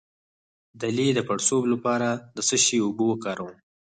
د لۍ د پړسوب لپاره د څه شي اوبه وکاروم؟